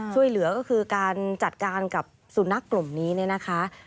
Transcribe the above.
ช่วยเหลือก็คือการจัดการกับสุนัขกลุ่มนี้เนี่ยนะคะ